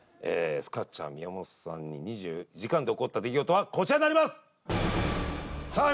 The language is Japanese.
スカチャン宮本さんに２４時間で起こった出来事はこちらになりますさあ